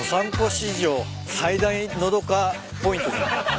史上最大のどかポイント。